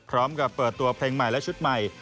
พร้อมกับเปิดตัวเพลงใหม่และชุดใหม่